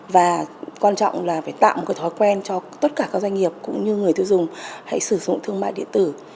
và quan trọng là phải tạo một thói quen cho tất cả các doanh nghiệp cũng như người tiêu dùng hãy sử dụng thương mại điện tử